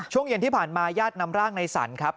ช่วงเย็นที่ผ่านมาญาตินำร่างในสรรครับ